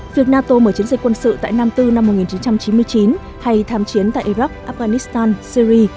việc nato mở chiến dịch quân sự tại nam tư năm một nghìn chín trăm chín mươi chín hay tham chiến tại iraq afghanistan syri